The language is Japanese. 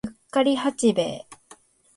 うっかり八兵衛